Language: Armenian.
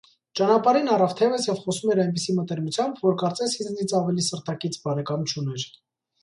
Ճանապարհին առավ թևս և խոսում էր այնպիսի մտերմությամբ, որ կարծես ինձնից ավելի սրտակից բարեկամ չուներ: